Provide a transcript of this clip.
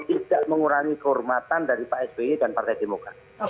tidak mengurangi kehormatan dari pak sby dan partai demokrat